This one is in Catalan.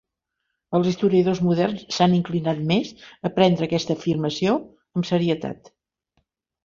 Els historiadors moderns s'han inclinat més a prendre aquesta afirmació amb serietat.